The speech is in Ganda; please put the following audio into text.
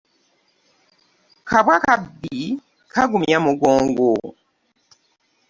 Kaba kabbi kagumya mugongo.